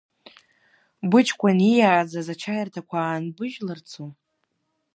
Быҷкәын ииааӡаз ачаирҭақәа аанбыжьларцу?